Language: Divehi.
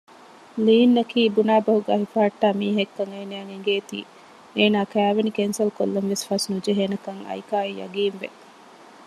ލީންއަކީ ބުނާ ބަހުގައި ހިފަހައްޓާ މީހެއްކަން އޭނާއަށް އެނގޭތީ އޭނާ ކައިވެނި ކެންސަލްކޮށްލަންވެސް ފަސްނުޖެހޭނެކަން އައިކާއަށް ޔަޤީންވެ